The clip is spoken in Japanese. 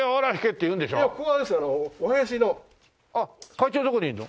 会長どこにいるの？